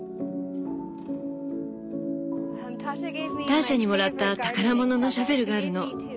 ターシャにもらった宝物のシャベルがあるの。